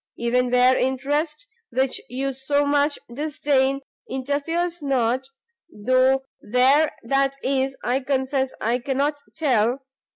even where interest, which you so much disdain, interferes not, though where that is I confess I cannot tell!